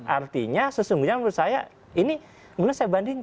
artinya sesungguhnya menurut saya ini kemudian saya bandingkan